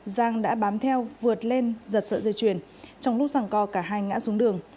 giang đã bám theo vượt lên giật sợi dây truyền trong lúc giảng co cả hai ngã xuống đường